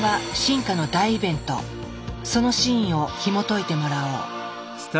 その真意をひもといてもらおう。